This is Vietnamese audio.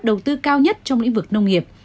đầu tư cao nhất trong lĩnh vực nông nghiệp